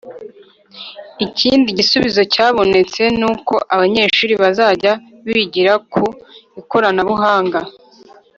ikindi gisubizo cyabonetse ni uko abanyeshuru bazajya bigira ku ikoranabuhanga